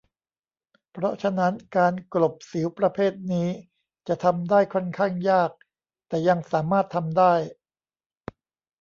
เพราะฉะนั้นการกลบสิวประเภทนี้จะทำได้ค่อนข้างยาก แต่ยังสามารถทำได้